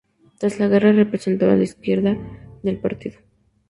Tras la guerra, representó al ala izquierda del Partido.